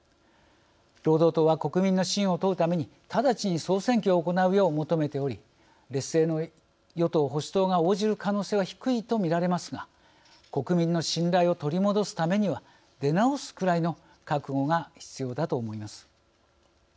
労働党は国民の信を問うために直ちに総選挙を行うよう求めており劣勢の与党・保守党が応じる可能性は低いと見られますが国民の信頼を取り戻すためには出直すくらいの覚悟が必要だと思います。